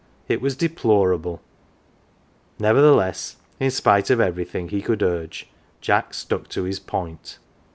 " it was deplorable ! Nevertheless, in spite of everything he could urge, Jack stuck to his point.